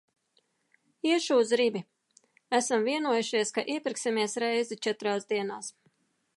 Iešu uz Rimi. Esam vienojušies, ka iepirksimies reizi četrās dienās.